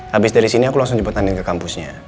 habis dari sini aku langsung jemput andin ke kampusnya